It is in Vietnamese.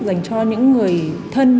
dành cho những người thân